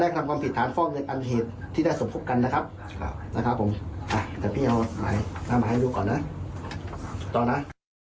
แต่พี่เอาหน้าหมายให้ดูก่อนนะต่อนะ